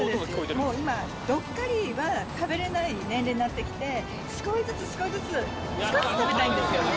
もう今、どっかりは食べれない年齢になってきて、少しずつ少しずつ、少しずつ食べたいんですよね。